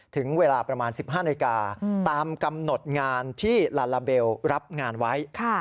ถึงเวลาประมาณ๑๕นาฬิกาตามกำหนดงานที่ลาลาเบลรับงานไว้